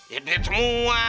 ya deh semua